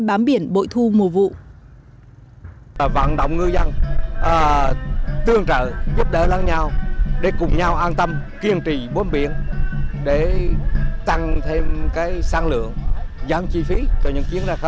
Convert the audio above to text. bám biển bội thu mùa vụ